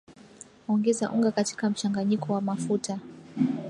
Ongeza unga katika mchanganyiko wa mafuta